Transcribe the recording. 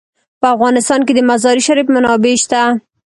په افغانستان کې د مزارشریف منابع شته.